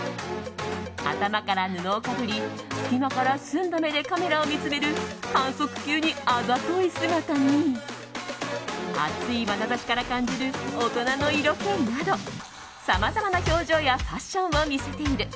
頭から布をかぶり隙間から澄んだ目でカメラを見つめる反則級にあざとい姿に熱いまなざしから感じる大人の色気などさまざまな表情やファッションを見せている。